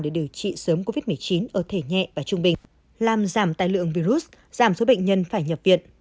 để điều trị sớm covid một mươi chín ở thể nhẹ và trung bình làm giảm tài lượng virus giảm số bệnh nhân phải nhập viện